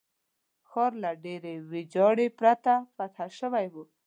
ښار له ډېرې ویجاړۍ پرته فتح شوی وو.